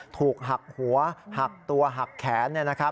ถูกหักหัวหักตัวหักแขน